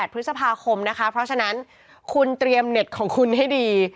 พฤษภาคมนะคะเพราะฉะนั้นคุณเตรียมเน็ตของคุณให้ดี